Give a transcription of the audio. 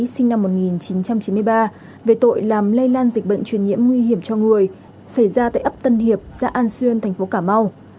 sinh năm một nghìn chín trăm chín mươi ba về tội làm lây lan dịch bệnh truyền nhiễm nguy hiểm cho người xảy ra tại ấp tân hiệp xã an xuyên thành phố cà mau